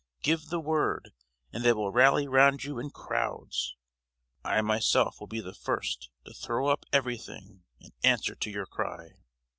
Give the word, and they will rally round you in crowds! I myself will be the first to throw up everything, and answer to your cry!